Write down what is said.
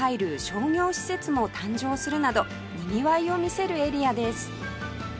商業施設も誕生するなどにぎわいを見せるエリアです